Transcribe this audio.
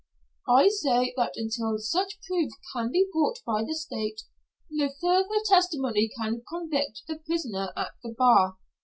I say that until such proof can be brought by the State, no further testimony can convict the prisoner at the bar.